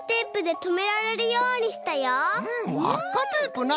わっかテープな！